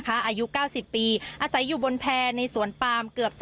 อายุ๙๐ปีอาศัยอยู่บนแพร่ในสวนปาล์มเกือบ๓๐ไร่ค่ะ